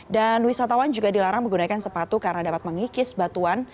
dan wisatawan juga dilarang menggunakan sepatu karena dapat mengikis batuan